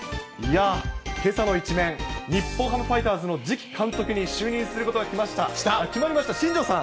けさの１面、日本ハムファイターズの次期監督に就任することが決まりました、新庄さん。